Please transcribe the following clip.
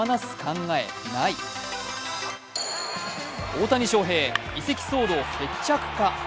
大谷翔平、移籍騒動決着か。